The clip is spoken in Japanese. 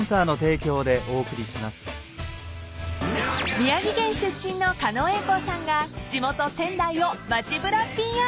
［宮城県出身の狩野英孝さんが地元仙台を街ぶらＰＲ］